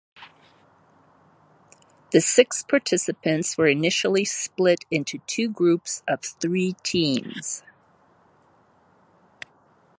The six participants were initially split into two groups of three teams.